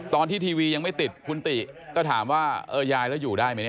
ตอนที่ทีวียังไม่ติดคุณติก็ถามว่าเอ๊ะยายแล้วอยู่ได้ไหม